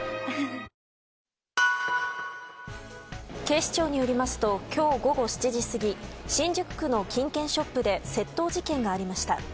警視庁によりますと今日午後７時過ぎ新宿区の金券ショップで窃盗事件がありました。